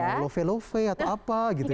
nah mau love love atau apa gitu